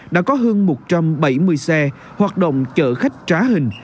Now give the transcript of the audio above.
đã có hơn một trăm bảy mươi xe hoạt động chở khách trá hình